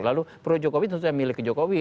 lalu pro jokowi tentunya milih ke jokowi